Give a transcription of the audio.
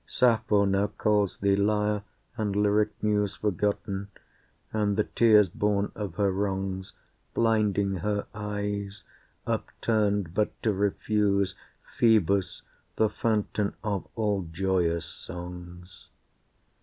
Sappho now calls thee, lyre and Lyric Muse Forgotten, and the tears born of her wrongs Blinding her eyes, upturned but to refuse Phœbus, the fountain of all joyous songs.